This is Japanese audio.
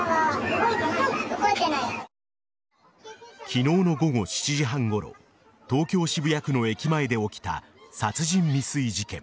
昨日の午後７時半ごろ東京・渋谷区の駅前で起きた殺人未遂事件。